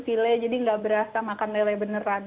file jadi gak berasa makan lele beneran